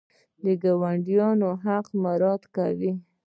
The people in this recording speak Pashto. د ګاونډیانو حق مراعات کوئ؟